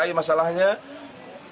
iya dampak pandemi gitu